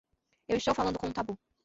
Eu estou falando com um tabu.